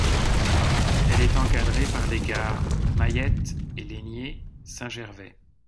Elle est encadrée par les gares d'Mayet et Laigné - Saint-Gervais.